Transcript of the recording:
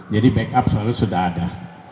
jadi backup selalu sudah ada